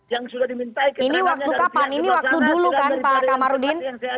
yang sudah dimintai ke tangannya dari pihak jempol sana